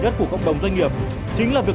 để vừa tăng sức cạnh tranh